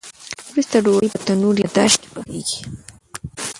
وروسته ډوډۍ په تنور یا داش کې پخیږي.